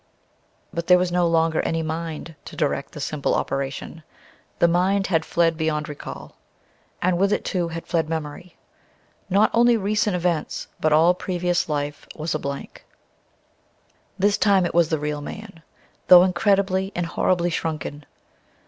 But there was no longer any mind to direct the simple operation. The mind had fled beyond recall. And with it, too, had fled memory. Not only recent events, but all previous life was a blank. This time it was the real man, though incredibly and horribly shrunken.